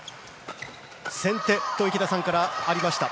先手と池田さんからありましたが